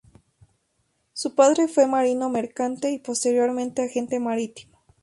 Su padre fue marino mercante y posteriormente agente marítimo.